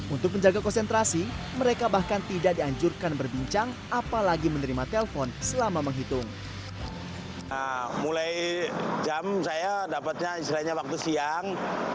untuk menjaga konsentrasi mereka bahkan tidak dianjurkan berbincang apalagi menerima telpon selama menghitung